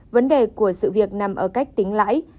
vấn đề của sự việc nằm ở cách tính lãi